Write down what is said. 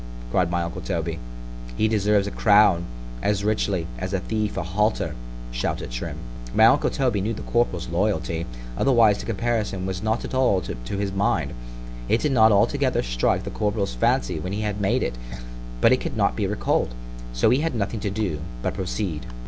cried my uncle Toby—he deserves a crown——As richly, as a thief a halter; shouted Trim. My uncle Toby knew the corporal's loyalty;—otherwise the comparison was not at all to his mind——it did not altogether strike the corporal's fancy when he had made it——but it could not be recall'd——so he had nothing to do, but proceed.